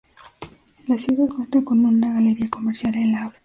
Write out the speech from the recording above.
La ciudad cuenta con una galería comercial en la Av.